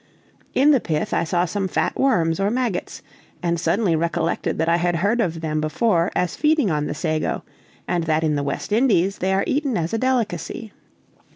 In the pith I saw some fat worms or maggots, and suddenly recollected that I had heard of them before as feeding on the sago, and that in the West Indies they are eaten as a delicacy.